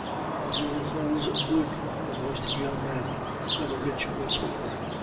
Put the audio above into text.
One rule holds good of most young men whether rich or poor.